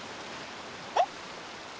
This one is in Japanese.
えっ⁉